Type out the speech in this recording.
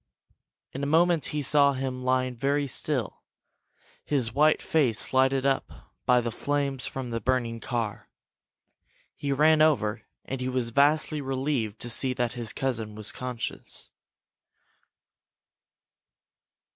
In a moment he saw him lying very still, his white face lighted up by the flames from the burning car. He ran over and he was vastly relieved to see that his cousin was conscious.